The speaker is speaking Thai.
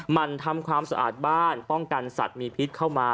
มันทำความสะอาดบ้านป้องกันสัตว์มีพิษเข้ามา